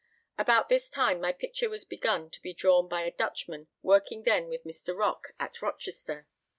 About this time my picture was begun to be drawn by a Dutchman working then with Mr. Rock at Rochester.